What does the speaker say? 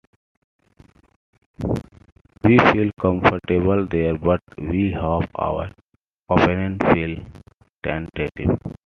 We feel comfortable there, but we hope our opponents feel tentative.